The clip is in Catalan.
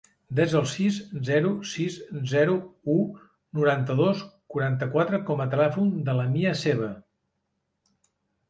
Desa el sis, zero, sis, zero, u, noranta-dos, quaranta-quatre com a telèfon de la Mia Seva.